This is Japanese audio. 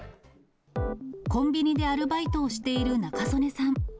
コンビニでアルバイトをしている仲宗根さん。